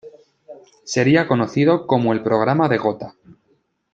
Sería conocido como el "Programa de Gotha".